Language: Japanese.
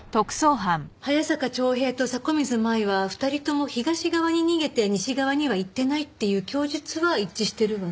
早坂長平と迫水舞は２人とも東側に逃げて西側には行ってないっていう供述は一致してるわね。